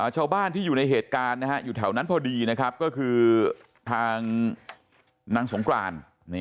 ชาวบ้านที่อยู่ในเหตุการณ์อยู่แถวนั้นพอดีนะครับก็คือทางนางสงกราน